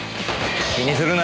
気にするな。